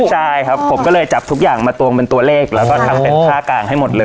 ใช่ครับผมก็เลยจับทุกอย่างมาตวงเป็นตัวเลขแล้วก็ทำเป็นภาคกลางให้หมดเลย